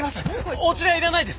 お釣りはいらないです！